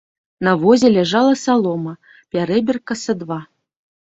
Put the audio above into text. На возе ляжала салома, пярэбірка са два.